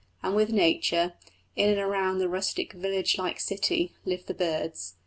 And with nature, in and around the rustic village like city, live the birds.